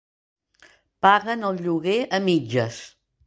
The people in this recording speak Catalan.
Paguen el lloguer a mitges.